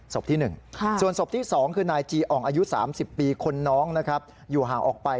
ศพที่๑ส่วนศพที่๒คือนายจีอ่องอายุ๓๐ปีคนน้องนะครับอยู่ห่างออกไป